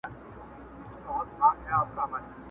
سړي وویل کالیو ته مي ګوره .!